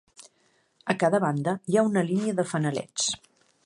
A cada banda hi ha una línia de fanalets.